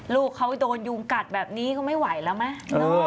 ลูกเขาโดนยูงกัดแบบนี้ก็ไม่ไหวแล้วมั้ย